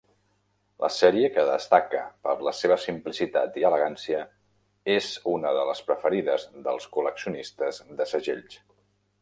La sèrie, que destaca per la seva simplicitat i elegància, és una de les preferides dels col·leccionistes de segells.